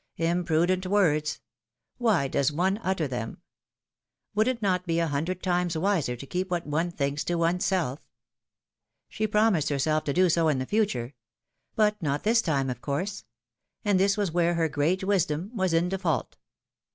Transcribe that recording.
Im prudent words! Why does one utter them? Would it not be a hundred times wiser to keep what one thinks to one's self? She promised herself to do so in the future — but not this time of course — and this was where her great wisdom was in default.